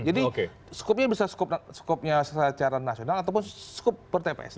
skupnya bisa skopnya secara nasional ataupun skup per tps